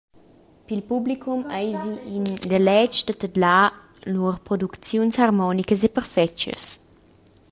Pil publicum eis ei in deletg da tedlar lur producziuns harmonicas e perfetgas.